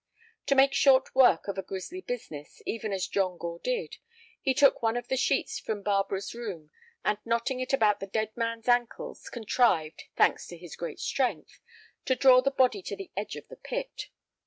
To make short work of a grisly business, even as John Gore did, he took one of the sheets from Barbara's room, and knotting it about the dead man's ankles, contrived, thanks to his great strength, to draw the body to the edge of the pit.